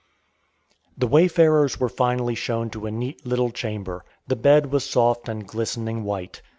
The wayfarers were finally shown to a neat little chamber. The bed was soft and glistening white.